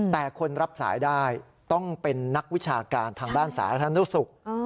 แต่คนรับสายได้ต้องเป็นนักวิชาการทางด้านสาธารณสุข